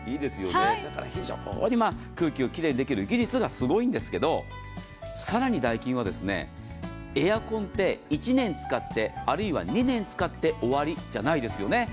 だから非常に空気を奇麗にできる技術がすごいんですけど更にダイキンはエアコンって１年使ってあるいは２年使って終わりじゃないですよね。